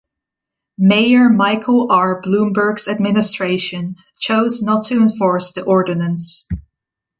Mayor Michael R. Bloomberg's administration chose not to enforce the ordinance.